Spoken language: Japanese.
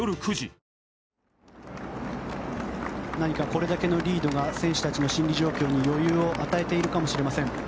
これだけのリードが選手たちの心理状況に余裕を与えているかもしれません。